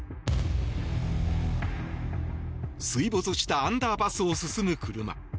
水没したアンダーパスを進む車。